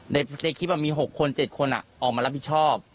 ในคลิปมี๖คน๗คนออกมารับผิดชอบ